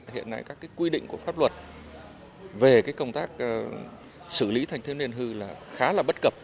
hiện nay các quy định của pháp luật về công tác xử lý thanh thiếu niên hư là khá là bất cập